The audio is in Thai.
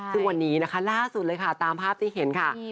ซึ่งวันนี้นะคะล่าสุดเลยค่ะตามภาพที่เห็นค่ะ